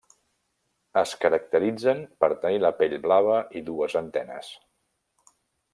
Es caracteritzen per tenir la pell blava i dues antenes.